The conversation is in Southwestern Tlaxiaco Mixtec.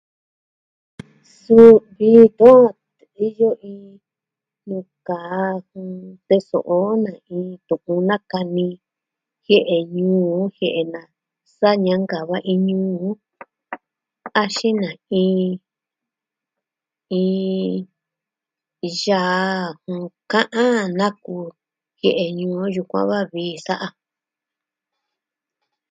Suu iyo iin nuu kaa teso'o o natu'un nakani jin jie'e ñuu o jie'e nasa ñankava iin ñuu on axin na iin, iin, yaa, ɨɨn, ka'an naku jie'e ñuu o yukuan va vii sa'a.